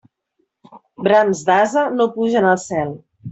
Brams d'ase no pugen al cel.